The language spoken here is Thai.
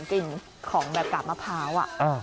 กลิ่นของแบบกาบมะพร้าว